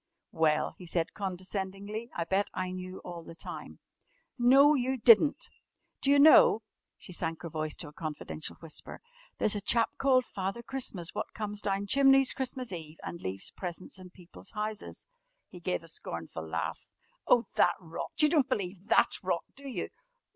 "Well?" he said condescendingly, "I bet I knew all the time." "No, you didn't! D'you know," she sank her voice to a confidential whisper, "there's a chap called Father Christmas wot comes down chimneys Christmas Eve and leaves presents in people's houses?" He gave a scornful laugh. "Oh, that rot! You don't believe that rot, do you?"